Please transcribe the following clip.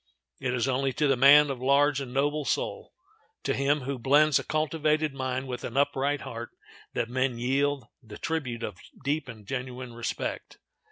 It is only to the man of large and noble soul—to him who blends a cultivated mind with an upright heart—that men yield the tribute of deep and genuine respect.